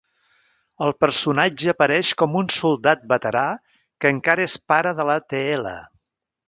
El personatge apareix com un soldat veterà que encara és pare de la Teela.